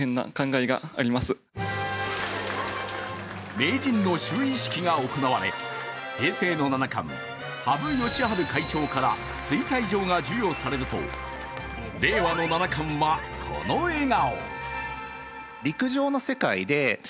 名人の就任式が行われ、平成の七冠、羽生善治会長から推戴状が授与されると令和の七冠はこの笑顔。